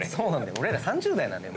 俺ら３０代なんだよ